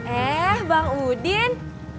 eh bang udin